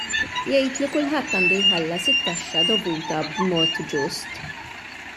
Jgħid li kulħadd għandu jħallas it-taxxa dovuta b'mod ġust.